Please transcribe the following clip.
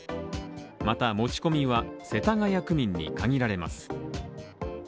また持ち込みは世田谷区民に限られます。